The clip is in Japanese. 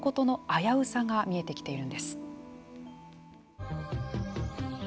危うさが見えてきているんです。